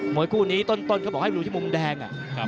หมวยคู่นี้ต้นเค้าบอกให้รู้ที่มุมแดงน่ะ